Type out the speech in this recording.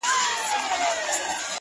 • هغه وكړې سوگېرې پــه خـاموشـۍ كي،